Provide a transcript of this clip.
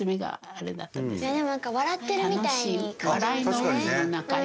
でも何か笑ってるみたいに。